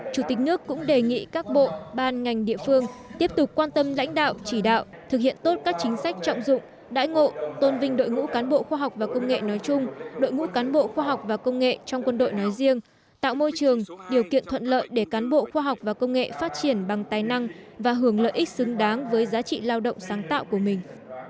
chủ tịch nước cũng đề nghị các bộ ban ngành địa phương tiếp tục quan tâm lãnh đạo chỉ đạo thực hiện tốt các chính sách trọng dụng đãi ngộ tôn vinh đội ngũ cán bộ khoa học và công nghệ nói chung đội ngũ cán bộ khoa học và công nghệ trong quân đội nói riêng tạo môi trường điều kiện thuận lợi để cán bộ khoa học và công nghệ phát triển bằng tài năng và hưởng lợi ích xứng đáng với giá trị lao động sáng tạo của mình